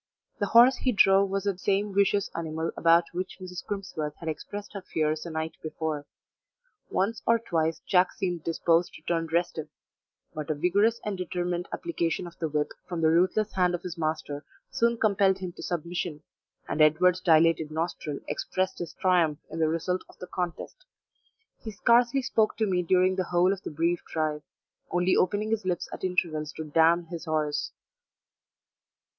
The horse he drove was the same vicious animal about which Mrs. Crimsworth had expressed her fears the night before. Once or twice Jack seemed disposed to turn restive, but a vigorous and determined application of the whip from the ruthless hand of his master soon compelled him to submission, and Edward's dilated nostril expressed his triumph in the result of the contest; he scarcely spoke to me during the whole of the brief drive, only opening his lips at intervals to damn his horse.